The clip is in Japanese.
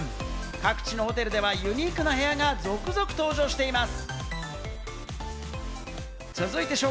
各地のホテルではユニークな部屋が続々登場しています。